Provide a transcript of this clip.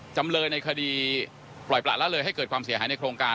จำเลยในคดีปล่อยประละเลยให้เกิดความเสียหายในโครงการ